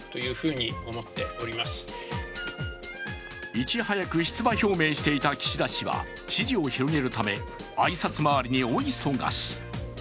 いち早く出馬表明していた岸田氏は支持を広げるため、挨拶回りに大忙し。